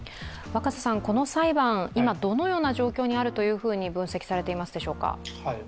この裁判、今どのような状況にあると分析されていますでしょうか？